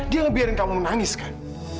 dia ngebiarin kamu menangis kan